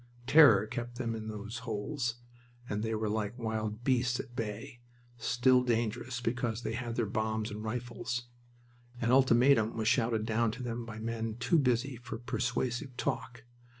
Terror kept them in those holes, and they were like wild beasts at bay, still dangerous because they had their bombs and rifles. An ultimatum was shouted down to them by men too busy for persuasive talk.